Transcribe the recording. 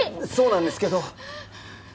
そうなんですけど。